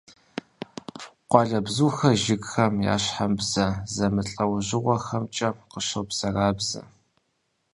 Къуалэбзухэр жыгхэм я щхьэм бзэ зэмылӀэужьыгъуэхэмкӀэ къыщобзэрабзэ.